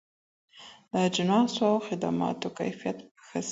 د اجناسو او خدماتو کيفيت به ښه سي.